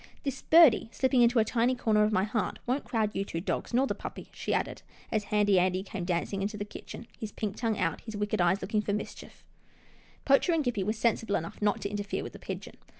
This birdie, slipping in a tiny corner of my heart, won't crowd you two dogs — nor the puppy," she added, as Handy Andy came dancing into the kitchen, his pink tongue out, his wicked eyes looking for mischief. LITTLE HOUSETOP * 155 Poacher and Gippie were sensible enough not to interfere with the pigeon.